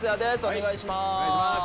お願いします。